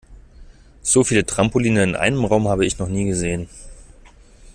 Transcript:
So viele Trampoline in einem Raum habe ich noch nie gesehen.